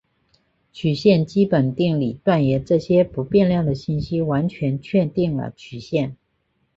曲线基本定理断言这些不变量的信息完全确定了曲线。